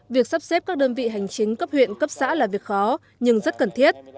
việc sắp xếp các đơn vị hành chính cấp huyện cấp xã là việc khó nhưng rất cần thiết